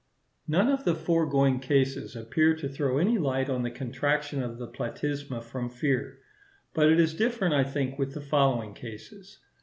None of the foregoing cases appear to throw any light on the contraction of the platysma from fear; but it is different, I think, with the following cases.